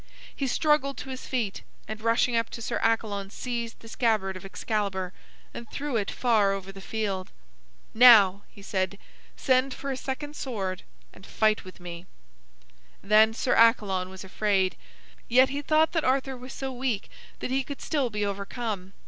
He struggled to his feet, and rushing up to Sir Accalon, seized the scabbard of Excalibur and threw it far over the field. "Now," he said, "send for a second sword and fight with me." Then Sir Accalon was afraid. Yet he thought that Arthur was so weak that he could still be overcome.